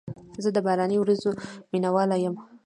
زه د باراني ورځو مینه وال یم.